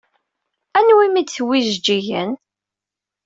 Anwa umi d-tewwi tijeǧǧigin?